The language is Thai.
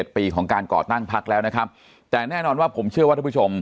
๗๗ปีของการก่อตั้งพลักสินค้าแล้วนะครับ